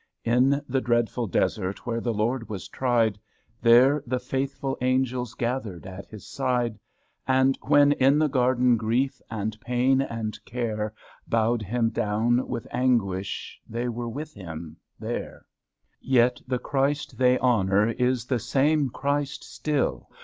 In the dreadful desert Where the Lord was tried, There the faithful Angels Gathered at His side, [ 39 ] And when in the Garden, Grief, and pain, and care Bowed Him down with anguish, They were with Him there. Yet the Christ they honour Is the same Christ still.